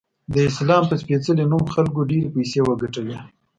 د اسلام په سپیڅلې نوم خلکو ډیرې پیسې وګټلی